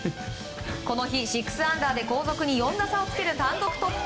この日６アンダーで、後続に４打差をつける単独トップ。